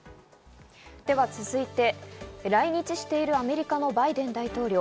続いて、来日しているアメリカのバイデン大統領。